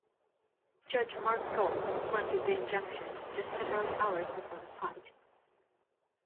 Judge Marc Gold granted the injunction just several hours before the fight.